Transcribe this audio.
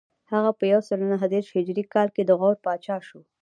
هغه په یو سل نهه دېرش هجري کال کې د غور پاچا شو